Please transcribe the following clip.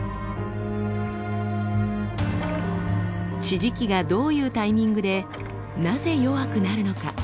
地磁気がどういうタイミングでなぜ弱くなるのか？